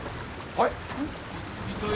はい？